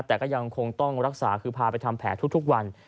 แต่ก็ยังคงต้องรักษาคือพาไปทำแผลทุกวัน